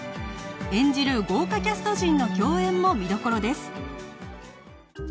演じる豪華キャスト陣の共演も見どころです